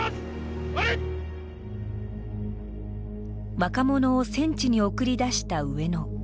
若者を戦地に送り出した上野。